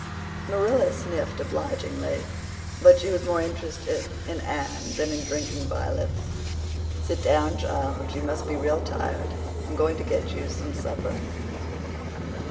Marilla sniffed obligingly, but she was more interested in Anne than in drinking violets. "Sit down, child. You must be real tired. I'm going to get you some supper."